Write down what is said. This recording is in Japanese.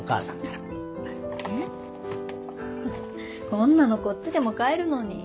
こんなのこっちでも買えるのに。